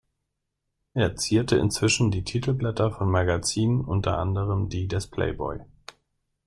Er zierte inzwischen die Titelblätter von Magazinen, unter anderem die des „Playboy“.